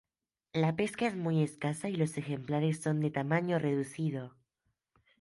La pesca es muy escasa y los ejemplares son de tamaño reducido.